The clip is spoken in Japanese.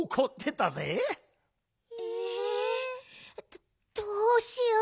どどうしよう？